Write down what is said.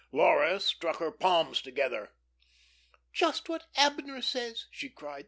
Laura struck her palms together. "Just what 'Abner' says," she cried.